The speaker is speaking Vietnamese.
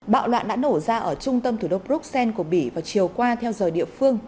bạo loạn đã nổ ra ở trung tâm thủ đô bruxelles của bỉ vào chiều qua theo giờ địa phương